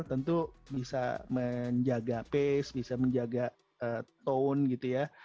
tentu bisa menjaga pace bisa menjaga tone gitu ya